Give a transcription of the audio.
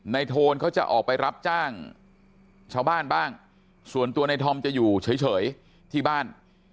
โทนเขาจะออกไปรับจ้างชาวบ้านบ้างส่วนตัวในธอมจะอยู่เฉยที่บ้าน